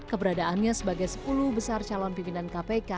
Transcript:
keberadaannya sebagai sepuluh besar calon pimpinan kpk